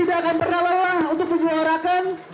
tidak akan pernah lelah untuk menyuarakan